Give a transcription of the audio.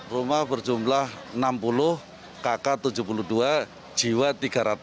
rumah berjumlah enam puluh kakak tujuh puluh dua jiwa tiga ratus